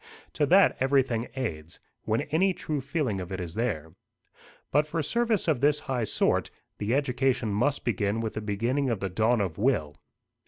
To that everything aids, when any true feeling of it is there. But for service of this high sort, the education must begin with the beginning of the dawn of will.